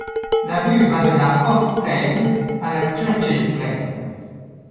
La rue va de la Hofplein à la Churchillplein.